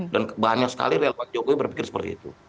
dan banyak sekali rel pak jokowi berpikir seperti itu